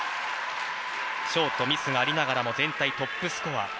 ショート、ミスがありながらも全体トップスコア。